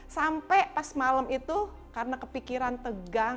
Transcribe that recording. sampai pas malam itu karena kepikiran tegang